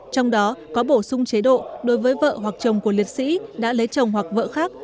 trong đó có bổ sung chế độ đối với vợ hoặc chồng của liệt sĩ đã lấy chồng hoặc vợ khác